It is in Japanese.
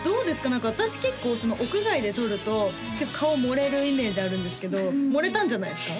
何か私結構屋外で撮ると結構顔盛れるイメージあるんですけど盛れたんじゃないですか？